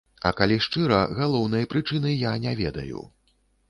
А калі шчыра, галоўнай прычыны я не ведаю.